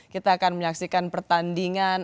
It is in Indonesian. kita akan menyaksikan pertandingan